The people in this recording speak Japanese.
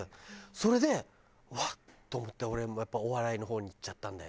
それで「うわっ！」と思って俺もやっぱりお笑いの方に行っちゃったんだよね。